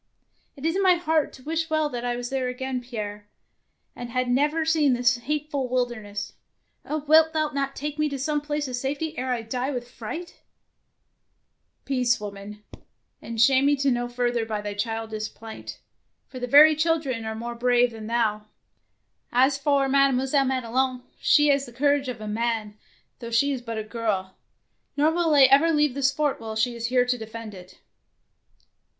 ''" It is in my heart to wish well that I was there again, Pierre, and had never seen this hateful wilderness. Oh, wilt thou not take me to some place of safety ere I die with fright ?" Peace, woman, and shame me no 119 DEEDS OF DARING further by thy childish plaint, for the very children are more brave than thou. As for Mademoiselle Madelon, she has the courage of a man, though she is but a girl, nor will I ever leave this fort while she is here to defend it."